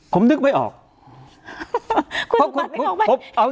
ผมนึกไม่ออกคุณปัจไม่เข้าไป